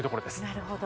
なるほど